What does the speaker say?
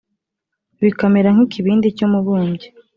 Bikamera nk’ikibindi cy’umubumbyi